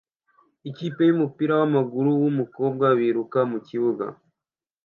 Ikipe yabakinnyi bumupira wamaguru wumukobwa biruka mukibuga